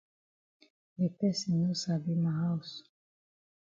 De person no sabi ma haus.